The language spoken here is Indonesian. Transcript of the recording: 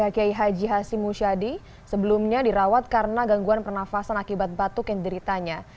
k h h muzadi sebelumnya dirawat karena gangguan pernafasan akibat batuk yang diritanya